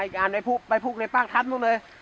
อีกอันไปพุกในปากทัชน์ตรงนี้